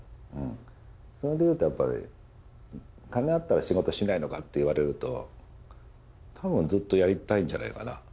それで言うとやっぱり金あったら仕事しないのかって言われると多分ずっとやりたいんじゃないかな。